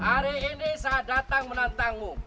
hari ini saya datang menantangmu